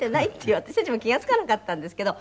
私たちも気が付かなかったんですけど。